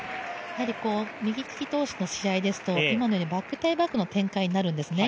右利き同士の試合ですとバック対バックの展開になるんですね。